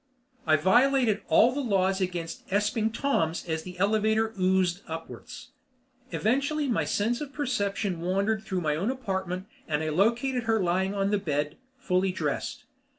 I violated all the laws against Esping Toms as the elevator oozed upwards. Eventually my sense of perception wandered through my own apartment and I located her lying on the bed, fully dressed.